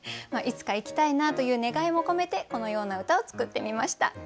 いつか行きたいなという願いも込めてこのような歌を作ってみました。